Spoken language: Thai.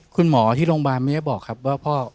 คุณหมอที่โรงพยาบาลไม่ได้บอกครับว่าพ่อ